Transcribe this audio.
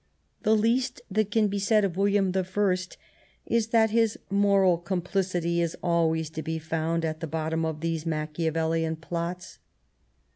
The least that can be said of WiUiam I is that his moral complicity is always to be found at the bottom of these Machiavellian plots.